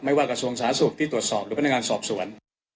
ไม่ว่ากับส่วงสาสุขที่ตรวจสอบหรือพนักงานสอบส่วน